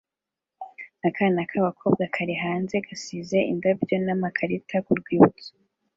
Akana k'agakobwa kari hanze gasize indabyo n'amakarita ku rwibutso